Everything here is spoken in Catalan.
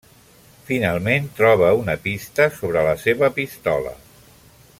Finalment troba una pista sobre la seva pistola.